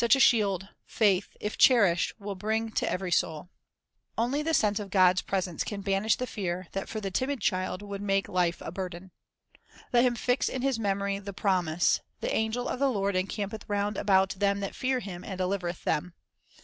2 Such a shield, faith, if cherished, will bring to every soul. Only the sense of God's presence can banish the fear that, for the timid child, would make life a burden. Let him fix in his memory the promise, "The angel of the Lord encampeth round about them that fear Him, and delivereth them."